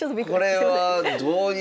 これはどういう。